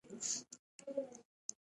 پښتو ادب بډای تاریخ لري.